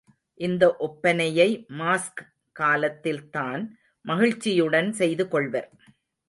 இந்த ஒப்பனையை மாஸ்க் காலத்தில்தான் மகிழ்ச்சியுடன் செய்துகொள்வர்.